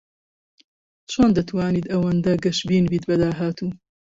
چۆن دەتوانیت ئەوەندە گەشبین بیت بە داهاتوو؟